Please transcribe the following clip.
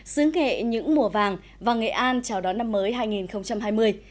sướng nghệ những mùa vàng và nghệ an chào đón năm mới hai nghìn hai mươi